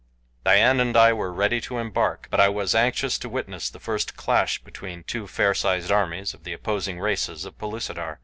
Dian and I were ready to embark, but I was anxious to witness the first clash between two fair sized armies of the opposing races of Pellucidar.